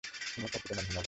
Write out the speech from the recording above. হিমুর প্রকৃত নাম হিমালয়।